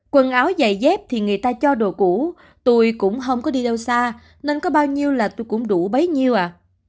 quần áo dày dép thì người ta cho đồ cũ tui cũng không có đi đâu xa nên có bao nhiêu là tui cũng đủ bấy nhiêu à